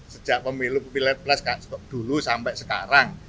sejak pemilu pilet plus dulu sampai sekarang